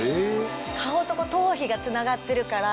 顔と頭皮がつながってるから。